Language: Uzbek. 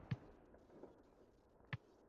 Safar davomida ziyorat qildik.